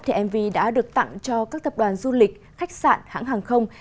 thì mv đã được tặng cho các tập đoàn du lịch khách sạn hãng hàng không